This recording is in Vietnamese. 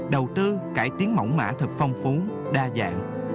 đầu tư cải tiến mỏng mã thật phong phú đa dạng